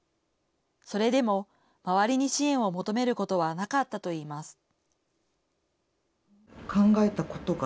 それでも周りに支援を求めることはなかったといいます。